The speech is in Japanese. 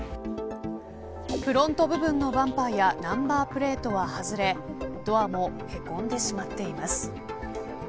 フロント部分のバンパーやナンバープレートは外れドアもへこんでしまっています。